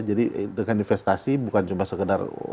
jadi dengan investasi bukan cuma sekedar uang